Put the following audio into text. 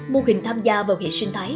mô hình tham gia vào hệ sinh thái